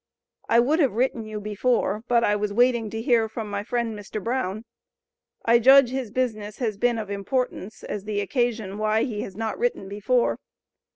I would have written you before, but I was waiting to hear from my friend, Mr. Brown. I judge his business has been of importance as the occasion why he has not written before.